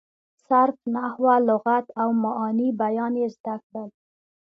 صرف، نحو، لغت او معاني بیان یې زده کړل.